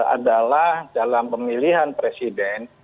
adalah dalam pemilihan presiden